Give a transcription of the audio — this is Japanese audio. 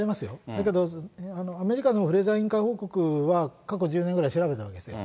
だけど、アメリカのフレーザー委員会報告は、過去１０年ぐらい調べたわけですよ。